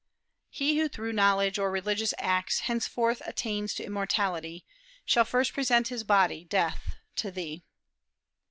"He who through knowledge or religious acts Henceforth attains to immortality, Shall first present his body, Death, to thee."